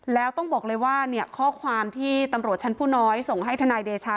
แล้วต้องบอกเลยว่าข้อความที่ตำรวจชั้นผู้น้อยส่งให้ทนายเดชา